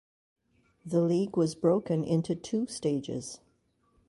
The league was broken into two stages.